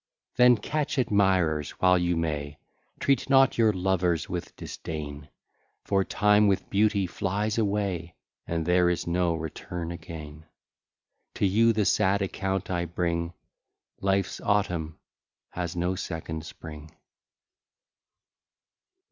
Then catch admirers while you may; Treat not your lovers with disdain; For time with beauty flies away, And there is no return again. To you the sad account I bring, Life's autumn has no second spring.